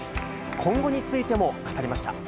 今後についても語りました。